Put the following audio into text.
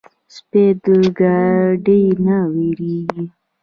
سپي د ګاډي نه وېرېږي.